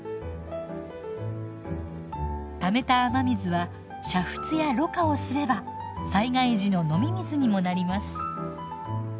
ためた雨水は煮沸やろ過をすれば災害時の飲み水にもなります。